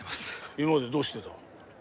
今までどうしてた？